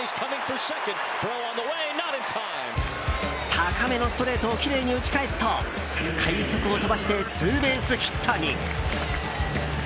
高めのストレートをきれいに打ち返すと快足を飛ばしてツーベースヒットに。